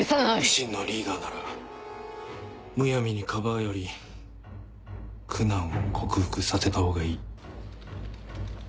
真のリーダーならむやみにかばうより苦難を克服させたほうがいい。